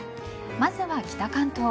まずは北関東。